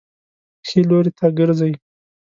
ښي لوري ته ګرځئ